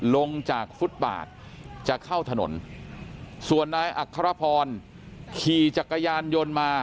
ลงจากฟุตบาทจะเข้าถนนส่วนนายอัครพรขี่จักรยานยนต์มา